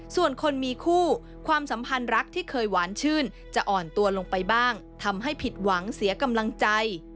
ส่วนคนมีคู่ความสัมพันธ์รักที่เคยหวานชื่นจะอ่อนตัวลงไปบ้างทำให้ผิดหวังเสียกำลังใจ